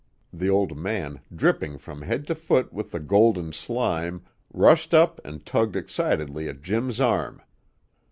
the old man, dripping from head to foot with the golden slime, rushed up and tugged excitedly at Jim's arm.